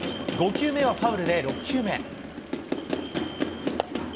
５球目はファウルで６球目。